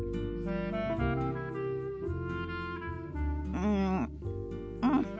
うんうん。